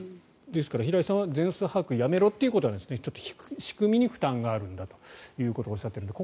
ですから、平井さんは全数把握やめろということではなくちょっと仕組みに負担があるんだということをおっしゃっているので